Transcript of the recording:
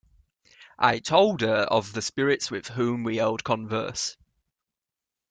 I told her of the spirits with whom we held converse.